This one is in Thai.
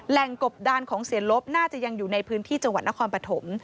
กบดานของเสียลบน่าจะยังอยู่ในพื้นที่จังหวัดนครปฐม